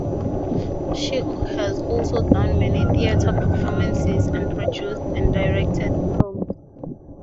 She has also done many theater performances, and produced and directed films.